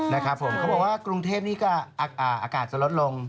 นะครับผมเขาบอกว่ากรุงเทพนี่ก็อากาศจะลดลง